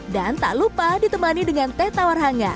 dan tak lupa ditemani dengan teh tawar hangat